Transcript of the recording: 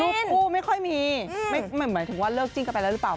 คู่ไม่ค่อยมีหมายถึงว่าเลิกจิ้นกันไปแล้วหรือเปล่า